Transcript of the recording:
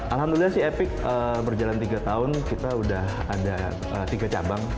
alhamdulillah sih epic berjalan tiga tahun kita udah ada tiga cabang